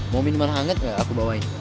mau minuman hangat gak aku bawain